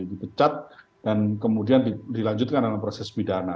dipecat dan kemudian dilanjutkan dalam proses pidana